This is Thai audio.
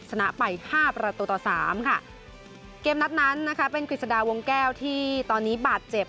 ชนะไปห้าประตูต่อสามค่ะเกมนัดนั้นนะคะเป็นกฤษฎาวงแก้วที่ตอนนี้บาดเจ็บ